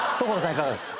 いかがですか？